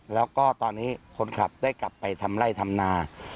แล้วก็ตอนนี้คนขับได้กลับไปทำไร่ทำนา